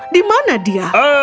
di mana dia